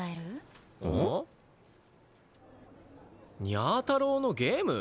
にゃ太郎のゲーム？